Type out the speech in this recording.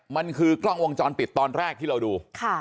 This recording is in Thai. มันคือกล้องวงจรปิดตอนแรกที่เราดู